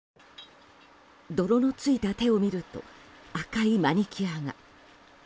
泥のついた手を見ると赤いマニキュアが。